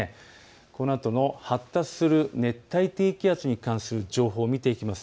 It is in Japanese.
このあとの発達する熱帯低気圧に関する情報を見ていきます。